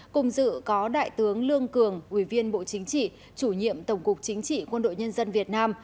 cùng dự có đại tướng lương cường ủy viên bộ chính trị chủ nhiệm tổng cục chính trị quân đội nhân dân việt nam